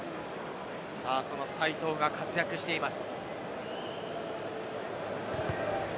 その齋藤が活躍しています。